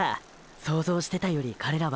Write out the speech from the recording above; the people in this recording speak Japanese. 想像してたより彼らは。